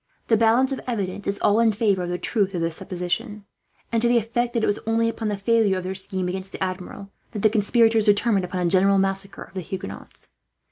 The balance of evidence is all in favour of the truth of this supposition, and to the effect that it was only upon the failure of their scheme, against the Admiral, that the conspirators determined upon a general massacre of the Huguenots.